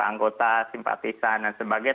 anggota simpatisan dan sebagainya